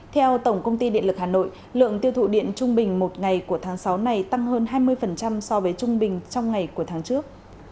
theo tổng công ty điện lực hà nội lượng tiêu thụ điện trung bình một ngày của tháng sáu này tăng hơn hai mươi so với trung bình trong ngày của tháng trước